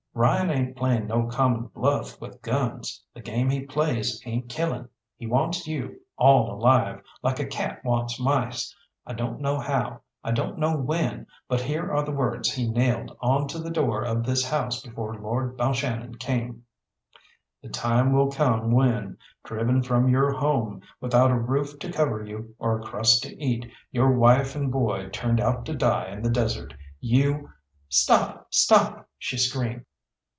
"Ryan ain't playing no common bluff with guns. The game he plays ain't killing. He wants you all alive like a cat wants mice; I don't know how, I don't know when but here are the words he nailed on to the door of this house before Lord Balshannon came: "'The time will come when, driven from your home, without a roof to cover you or a crust to eat, your wife and boy turned out to die in the desert, you '" "Stop! Stop!" she screamed.